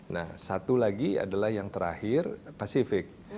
nah satu lagi adalah yang terakhir pasifik